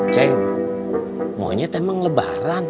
ceng monyet emang lebaran